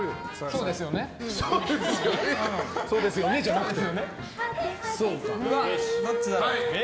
そうですよねじゃなくて。